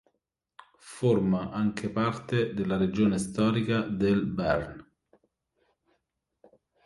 Forma anche parte della regione storica del Béarn.